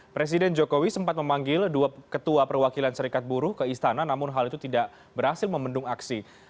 presiden jokowi sempat memanggil dua ketua perwakilan serikat buruh ke istana namun hal itu tidak berhasil memendung aksi